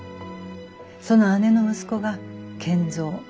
その姉の息子が賢三。